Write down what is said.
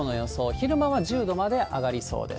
昼間は１０度まで上がりそうです。